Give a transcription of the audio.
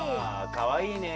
かわいいねえ。